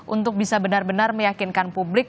untuk bisa benar benar meyakinkan publik